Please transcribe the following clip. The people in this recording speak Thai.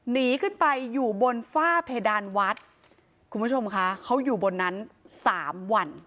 หนีขึ้นไปอยู่บนฝ้าเพดานวัดคุณผู้ชมค่ะเขาอยู่บนนั้นสามวัน